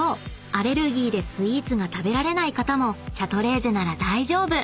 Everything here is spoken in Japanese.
アレルギーでスイーツが食べられない方もシャトレーゼなら大丈夫！］